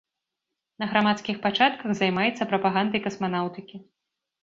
На грамадскіх пачатках займаецца прапагандай касманаўтыкі.